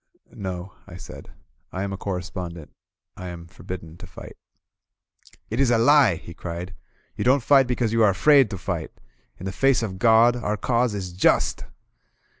"No," I said. "I am a correspondent. I am for bidden to fight." "It is a lie," he cried. "You don't fight because you are afraid to fight. In the face of God, our Cause is Just."